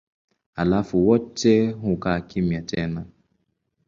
Halafu wote hukaa kimya tena.